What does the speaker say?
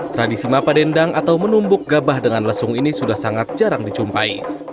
tradisi mapa dendang atau menumbuk gabah dengan lesung ini sudah sangat jarang dicumpai